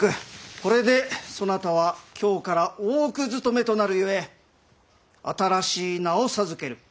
これでそなたは今日から大奥勤めとなるゆえ新しい名を授ける。